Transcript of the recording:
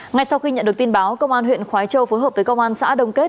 ngay sau khi nhận được tin báo công an huyện khói châu phối hợp với công an xã đồng kết